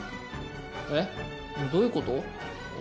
えっどういう事？